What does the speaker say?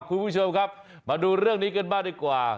คุณผู้ชมครับมาดูเรื่องนี้กันบ้างดีกว่า